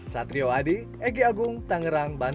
satrio adi egy agung tangerang banten